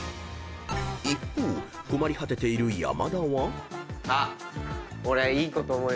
［一方困り果てている山田は］あっ！